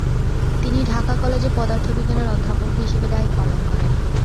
তিনি ঢাকা কলেজে পদার্থবিজ্ঞানের অধ্যাপক হিসাবে দায়িত্ব পালন করেন।